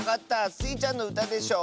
スイちゃんのうたでしょ。